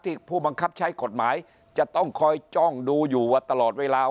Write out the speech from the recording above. ผู้บังคับใช้กฎหมายจะต้องคอยจ้องดูอยู่ว่าตลอดเวลา